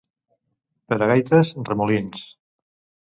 Per a gaites, Remolins.